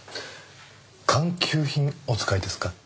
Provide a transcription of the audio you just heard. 官給品お使いですか？